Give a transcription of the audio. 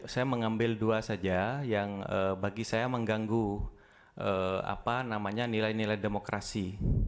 saya mengambil dua saja yang bagi saya mengganggu nilai nilai demokrasi